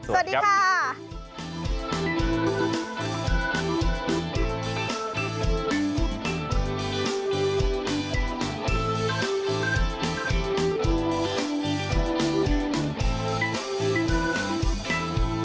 สวัสดีค่ะ